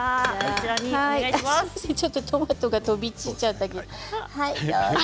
ちょっとトマトが飛び散っちゃったけど。